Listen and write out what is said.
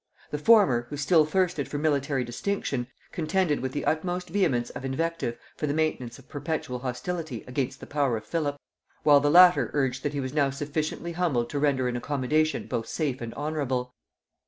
The former, who still thirsted for military distinction, contended with the utmost vehemence of invective for the maintenance of perpetual hostility against the power of Philip; while the latter urged, that he was now sufficiently humbled to render an accommodation both safe and honorable.